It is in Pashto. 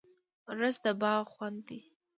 رس د باغ خوند دی